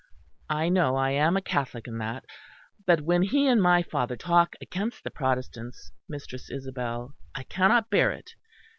I know I am a Catholic and that; but when he and my father talk against the Protestants, Mistress Isabel, I cannot bear it.